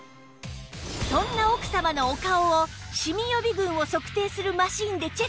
そんな奥様のお顔をシミ予備軍を測定するマシンでチェック